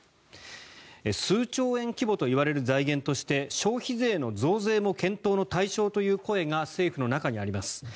数兆円規模といわれる財源として消費税の増税も検討の対象という声が政府の中にあります。